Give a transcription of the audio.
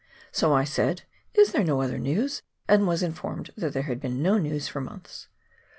So I said, " Is there no other news?" and was informed that there had been no news for months.